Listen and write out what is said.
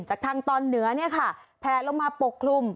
จากทางตอนเหนือแพลลงมาปกคลุม